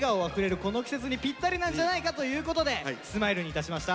この季節にぴったりなんじゃないかということで「ＳＭＩＬＥ」にいたしました。